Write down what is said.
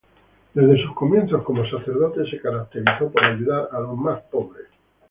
Desde sus comienzos como sacerdote, se caracterizó por ayudar a los más pobres.